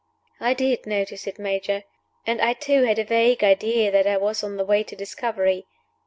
"I did notice it, Major. And I too had a vague idea that I was on the way to discovery.